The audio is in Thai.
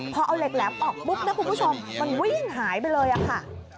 พอเอาเหล็กแหลมออกปุ๊บนะคุณผู้ชมมันวิ่งหายไปเลยอะค่ะ